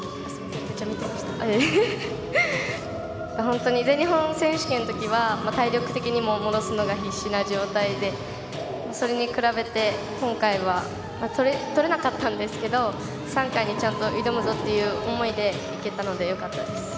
本当に全日本選手権の時は体力的にも戻すのが必死な状態でそれに比べて今回は、とれなかったんですけど３回にちゃんと挑むぞという思いでいけたのでよかったです。